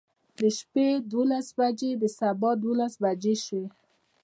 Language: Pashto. د شپې دولس بجې د سبا دولس بجې شوې.